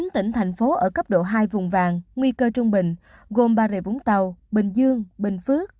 một mươi chín tỉnh thành phố ở cấp độ hai vùng vàng nguy cơ trung bình gồm ba rệ vũng tàu bình dương bình phước